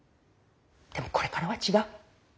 でもこれからは違う。